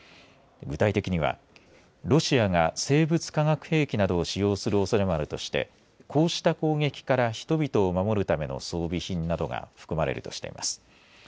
具体的にはロシアが生物・化学兵器など使用するおそれもあるとしてこうした攻撃から人々を守るための装備品などが含まれるとしています。